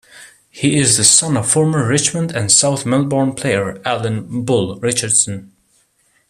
He is the son of former Richmond and South Melbourne player Alan "Bull" Richardson.